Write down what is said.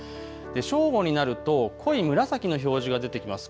正午になると濃い紫の表示が出てきます。